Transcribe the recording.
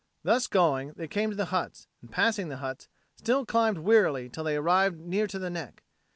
Thus going, they came to the huts, and passing the huts, still climbed wearily till they arrived near to the neck.